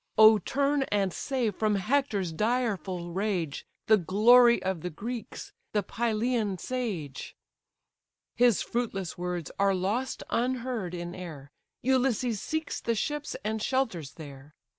Oh turn and save from Hector's direful rage The glory of the Greeks, the Pylian sage." His fruitless words are lost unheard in air, Ulysses seeks the ships, and shelters there.